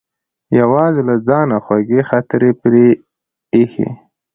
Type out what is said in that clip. یوازې له ځانه خوږې خاطرې پرې ایښې.